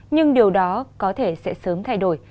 nhưng điều đó có thể sẽ sớm thay đổi